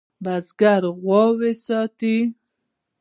بزگر غواوې ساتي.